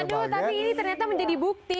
aduh tapi ini ternyata menjadi bukti